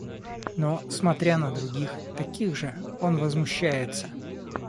Но, смотря на других, таких же, он возмущается.